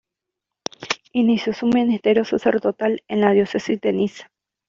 Inició su ministerio sacerdotal en la Diócesis de Niza.